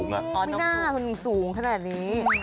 ไม่น่าถุงสูงขนาดนี้